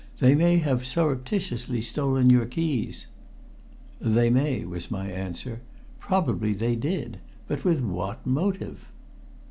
"They may have surreptitiously stolen your keys." "They may," was my answer. "Probably they did. But with what motive?"